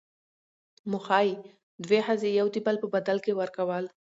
موخۍ، دوې ښځي يو دبل په بدل کي ورکول.